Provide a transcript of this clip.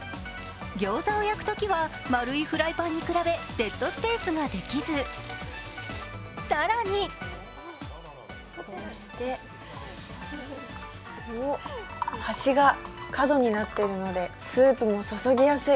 ギョーザを焼くときは丸いフライパンに比べデッドスペースができず、端が角になっているのでスープも注ぎやすい。